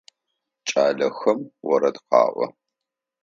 Кӏалэхэм орэд къаӏо.